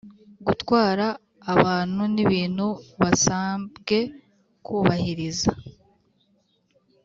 gutwara abantu n ibintu basabwe kubahiriza